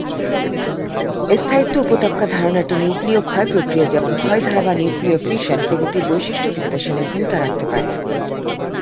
স্থায়িত্ব উপত্যকা ধারণাটি নিউক্লীয় ক্ষয় প্রক্রিয়া, যেমন ক্ষয় ধারা বা নিউক্লীয় ফিশন, প্রভৃতির বৈশিষ্ট্য বিশ্লেষণে ভূমিকা রাখতে পারে।